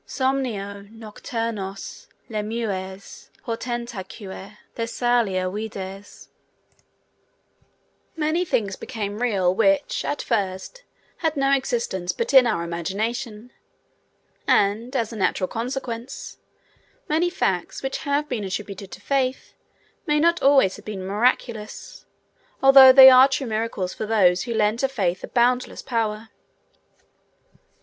'Somnio nocturnos lemures portentaque Thessalia vides'. Many things become real which, at first, had no existence but in our imagination, and, as a natural consequence, many facts which have been attributed to Faith may not always have been miraculous, although they are true miracles for those who lend to Faith a boundless power.